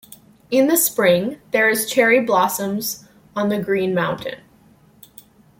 In the spring, there is cherry blossoms on the green mountain.